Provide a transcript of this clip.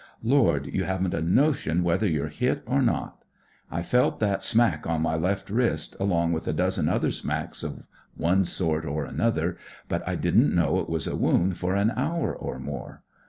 Lord, you haven't a notion whether you're hit or not. I felt that smack on my left wrist, alo^g with a dozen other smacks of one sort and another, but I didn't know it waf a woimd for an hour or more.